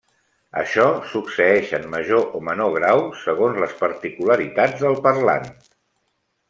Això succeeix en major o menor grau, segons les particularitats del parlant.